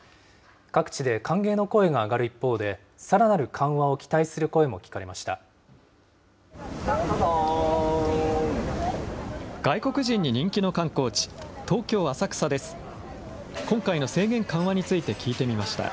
各地で歓迎の声が上がる一方で、さらなる緩和を期待する声も聞かれました。